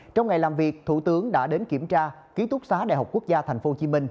trong ngày làm việc thủ tướng đã đến kiểm tra ký túc xá đại học quốc gia tp hcm